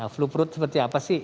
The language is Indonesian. flu perut seperti apa sih